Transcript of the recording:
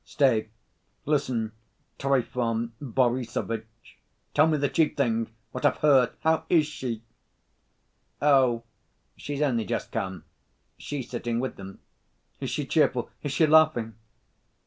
"Stay, listen, Trifon Borissovitch. Tell me the chief thing: What of her? How is she?" "Oh, she's only just come. She's sitting with them." "Is she cheerful? Is she laughing?"